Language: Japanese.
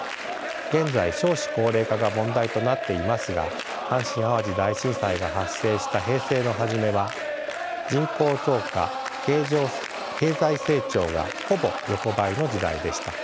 現在少子高齢化が問題となっていますが阪神・淡路大震災が発生した平成の初めは人口増加経済成長がほぼ横ばいの時代でした。